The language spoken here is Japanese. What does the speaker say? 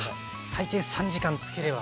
最低３時間漬ければ。